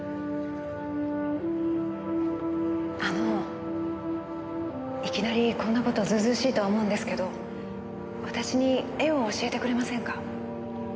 あのいきなりこんな事ずうずうしいとは思うんですけど私に絵を教えてくれませんか？